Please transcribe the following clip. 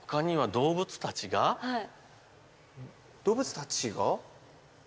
動物たちが？近い。